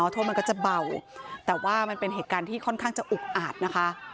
โทษมันก็จะเบาแต่ว่ามันเป็นเหตุการณ์ที่ค่อนข้างจะอุกอาดนะคะ